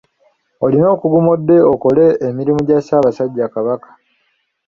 Olina okuguma odde okole emirimu gya Ssaabasajja Kabaka.